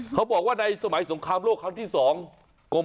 เขาบอกว่าในสมัยสงครามโลกครั้งที่๒